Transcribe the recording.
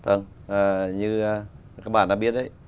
vâng như các bạn đã biết